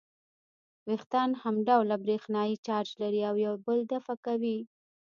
وېښتان همډوله برېښنايي چارج لري او یو بل دفع کوي.